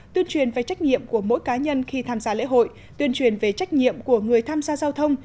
tuyên truyền về trách nhiệm của mỗi cá nhân khi tham gia lễ hội tuyên truyền về trách nhiệm của người tham gia giao thông